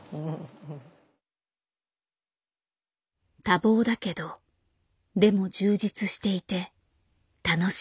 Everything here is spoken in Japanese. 多忙だけどでも充実していて楽しい。